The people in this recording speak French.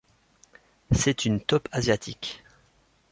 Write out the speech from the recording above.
C'est une taupe asiatique.